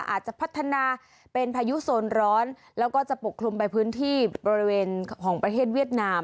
อาจจะพัฒนาเป็นพายุโซนร้อนแล้วก็จะปกคลุมไปพื้นที่บริเวณของประเทศเวียดนาม